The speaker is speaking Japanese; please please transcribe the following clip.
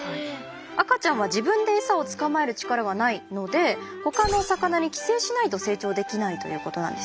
赤ちゃんは自分でエサを捕まえる力がないので他の魚に寄生しないと成長できないということなんですね。